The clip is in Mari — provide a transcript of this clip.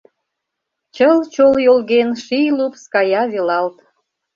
Чыл-чол йолген, Ший лупс кая велалт.